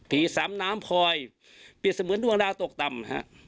ผีซ้ำน้ำพลอยเป็นเสมือนดวงดาตกต่ำ